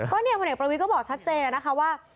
ก็เนี่ยพระเอกประวิทก็บอกชัดเจนแล้วนะคะว่า